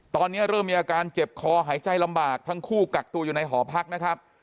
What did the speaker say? ตอนนี้เริ่มมีอาการเจ็บคอหายใจลำบากทั้งคู่กักตัวอยู่ในหอพักนะครับ